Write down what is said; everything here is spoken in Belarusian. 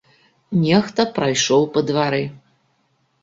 Нехта прайшоў па двары.